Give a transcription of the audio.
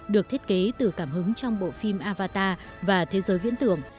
được thiết kế từ cảm hứng trong bộ phim avatar và thế giới viễn tưởng